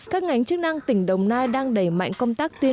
các ngành chức năng tỉnh đồng nai đều đồng ý